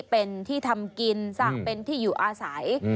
เป็นที่ทำกินสร้างเป็นที่อยู่อาศัย